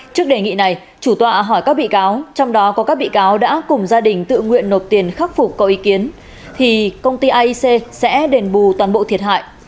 trước đề nghị này chủ tọa hỏi các bị cáo trong đó có các bị cáo đã cùng gia đình tự nguyện nộp tiền khắc phục có ý kiến thì công ty aic sẽ đền bù toàn bộ thiệt hại